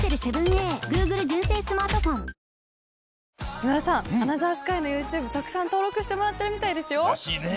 今田さん『アナザースカイ』のＹｏｕＴｕｂｅたくさん登録してもらってるみたいですよ。らしいね。